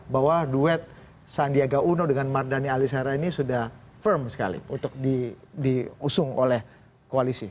bahwa duet sandiaga uno dengan mardhani alisara ini sudah firm sekali untuk diusung oleh koalisi